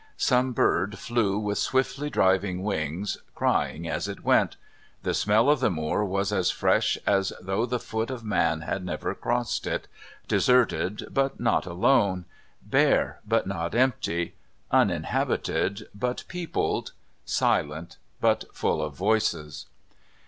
Some bird flew with swiftly driving wings, crying as it went. The smell of the moor was as fresh as though the foot of man had never crossed it deserted, but not alone; bare, but not empty; uninhabited, but peopled; silent, but full of voices.